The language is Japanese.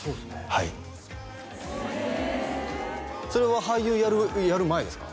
はいそれは俳優やる前ですか？